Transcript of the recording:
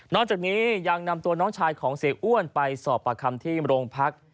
จากนี้ยังนำตัวน้องชายของเสียอ้วนไปสอบประคำที่โรงพัก